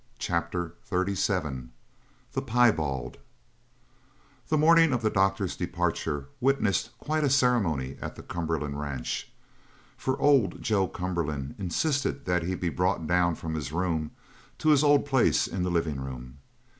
CHAPTER XXXVII THE PIEBALD The morning of the doctor's departure witnessed quite a ceremony at the Cumberland ranch, for old Joe Cumberland insisted that he be brought down from his room to his old place in the living room.